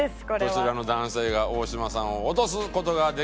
どちらの男性が大島さんを落とす事ができるんでしょうか？